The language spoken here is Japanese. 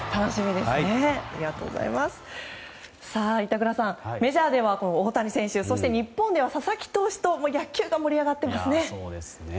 板倉さん、メジャーでは大谷選手そして日本では佐々木投手と野球が盛り上がってますね。